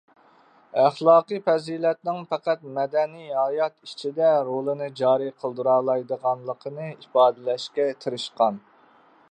ئەخلاقى پەزىلەتنىڭ پەقەت مەدەنىي ھايات ئىچىدە رولىنى جارى قىلدۇرالايدىغانلىقىنى ئىپادىلەشكە تىرىشقان.